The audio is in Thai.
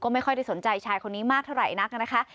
ไม่ค่อยได้สนใจชายคนนี้มากเท่าไหร่นักนะคะ